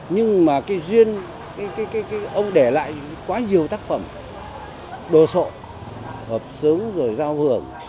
nhưng mà cái duyên ông để lại quá nhiều tác phẩm đồ sộ hợp sướng rồi giao hưởng